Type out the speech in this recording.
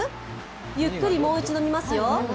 ゆっくりもう一度見ますよ。